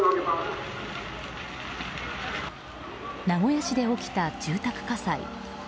名古屋市で起きた住宅火災。